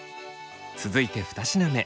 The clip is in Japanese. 続いて二品目。